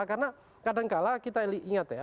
karena kadangkala kita ingat ya